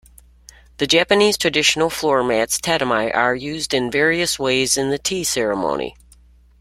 The Japanese traditional floor mats tatami are used in various ways in tea ceremony.